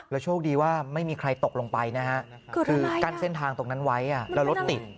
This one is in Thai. โชคดีว่าไม่มีใครตกลงไปนะฮะคือกั้นเส้นทางตรงนั้นไว้แล้วรถติด